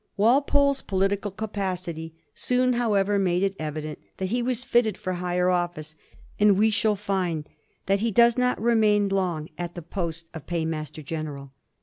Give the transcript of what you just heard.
Walpole's political capacity soon, however, made it evident that he was fitted for higher office, and we shall find that he does not remain long at the post of Paymaster General.